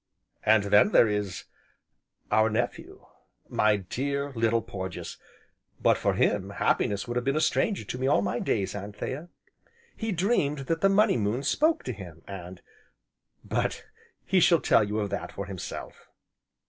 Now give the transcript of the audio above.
"And then there is our nephew, my dear, little Porges! But for him, Happiness would have been a stranger to me all my days, Anthea. He dreamed that the Money Moon spoke to him, and but he shall tell you of that, for himself."